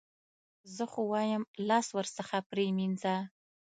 زه خو وایم لاس ورڅخه پرې مینځه.